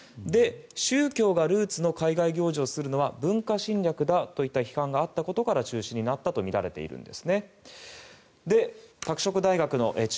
宗教がルーツの宗教行事をするのは文化侵略だという批判があったことから中止になったとみられています。